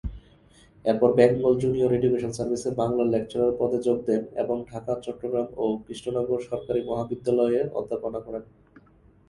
এরপর Bengal junior education সার্ভিসে বাংলার লেকচারার পদে যোগ দেন এবং ঢাকা, চট্টগ্রাম ও কৃষ্ণনগর সরকারি মহাবিদ্যালয়ে অধ্যাপনা করেন।